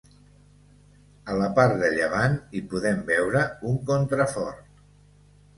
A la part de llevant hi podem veure un contrafort.